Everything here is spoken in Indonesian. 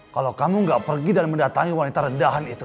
kalau kamu nggak pergi dan mendatangi wanita rendahan itu